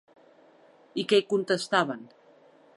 I què hi contestaven?